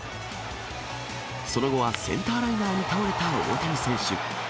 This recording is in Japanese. その後はセンターライナーに倒れた大谷選手。